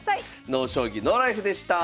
「ＮＯ将棋ＮＯＬＩＦＥ」でした。